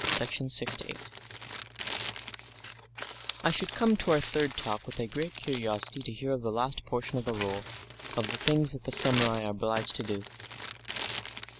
Section 6 I should come to our third talk with a great curiosity to hear of the last portion of the Rule, of the things that the samurai are obliged to do.